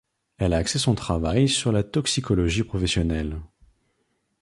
Elle a axé son travail sur la toxicologie professionnelle.